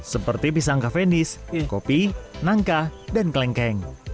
seperti pisang kafenis kopi nangka dan kelengkeh